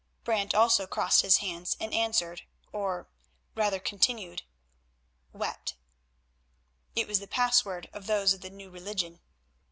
Brant also crossed his hands and answered, or, rather, continued, "wept." It was the password of those of the New Religion.